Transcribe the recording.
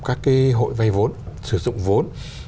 các cái hội vai vốn sử dụng vốn